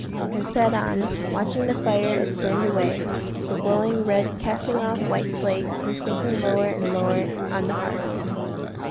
and sat on, watching the fire as it burned away, the glowing red casting off white flakes, and sinking lower and lower on the hearth.